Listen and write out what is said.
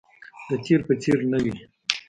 د تیر په څیر نه وي